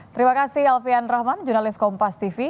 terima kasih alfian rahman jurnalis kompas tv